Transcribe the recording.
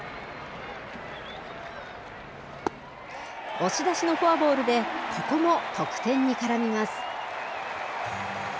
押し出しのフォアボールでここも得点に絡みます。